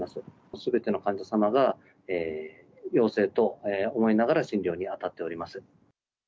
すべての患者様が陽性と思いながら、診療に当たっております。